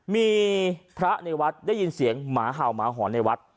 มีพระในวัดได้ยินเสียงหมาเห่าหมาหอนในวัด